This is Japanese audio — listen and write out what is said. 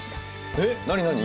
えっ何何？